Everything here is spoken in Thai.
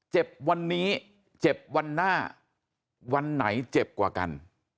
เจ็บวันนี้เจ็บวันหน้าวันไหนเจ็บกว่ากัน